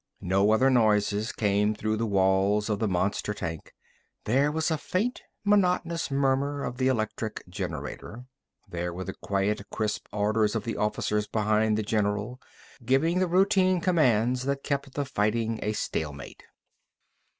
No other noises came through the walls of the monster tank. There was a faint, monotonous murmur of the electric generator. There were the quiet, crisp orders of the officers behind the general, giving the routine commands that kept the fighting a stalemate.